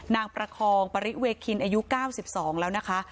ประคองปริเวคินอายุ๙๒แล้วนะคะ